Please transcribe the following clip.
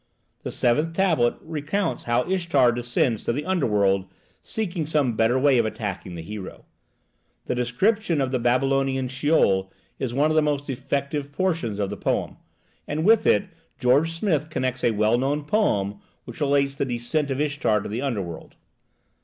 The seventh tablet recounts how Ishtar descends to the underworld seeking some better way of attacking the hero. The description of the Babylonian Sheol is one of the most effective portions of the poem, and with it George Smith connects a well known poem which relates the descent of Ishtar to the underworld.